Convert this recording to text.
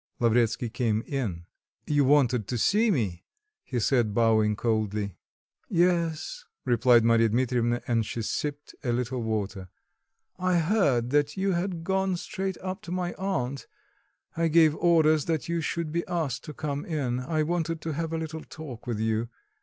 Lavretsky came in. "You wanted to see me," he said, bowing coldly. "Yes," replied Marya Dmitrievna, and she sipped a little water: "I heard that you had gone straight up to my aunt; I gave orders that you should be asked to come in; I wanted to have a little talk with you.